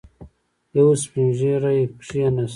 يو سپين ږيری کېناست.